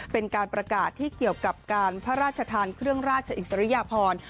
เป็นการประกาศที่เกี่ยวกับการพระราชทานเครื่องราชอิสริยพร